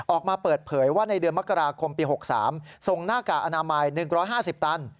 ออกมาเปิดเผยว่าในเดือนมกราคมปี๖๓ส่งหน้ากากอนามัย๑๕๐ตัน